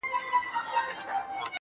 • دا ستا په ياد كي بابولاله وايم.